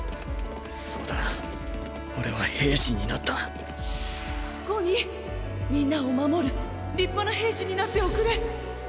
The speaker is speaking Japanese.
そうだ俺は兵士になったコニーみんなを守る立派な兵士になっておくれ。